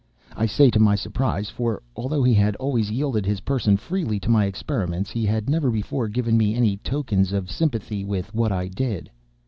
I say to my surprise, for, although he had always yielded his person freely to my experiments, he had never before given me any tokens of sympathy with what I did.